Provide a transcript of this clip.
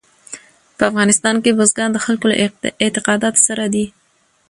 په افغانستان کې بزګان د خلکو له اعتقاداتو سره دي.